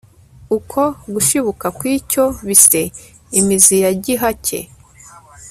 uko gushibuka kw'icyo bise imizi ya gihake